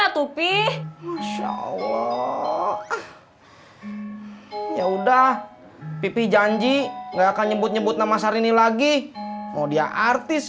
tapi kan pipih nyebutnya nama sarini artis